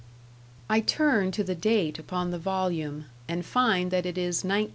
I turn to the date upon the volume, and find that it is 1910.